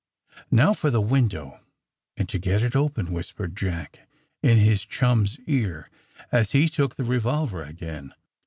*^Now, for the window, and to get it open,'"^ whispered Jack, in his chumps ear, as he took the revolver again.